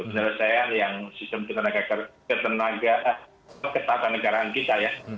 penyelesaian yang sistem ketenagaan kita ya